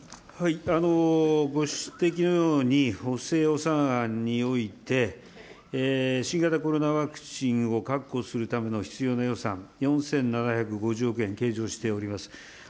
ご指摘のように、補正予算案において、新型コロナワクチンを確保するための必要な予算、４７５０億円、計上しております。